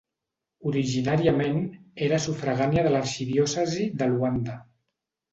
Originàriament era sufragània de l'arxidiòcesi de Luanda.